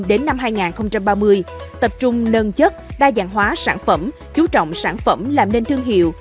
đến năm hai nghìn ba mươi tập trung nâng chất đa dạng hóa sản phẩm chú trọng sản phẩm làm nên thương hiệu